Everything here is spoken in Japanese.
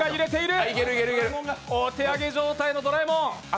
お手上げ状態のドラえもん。